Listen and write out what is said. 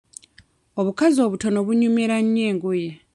Obukazi obutono bunyumira nnyo engoye.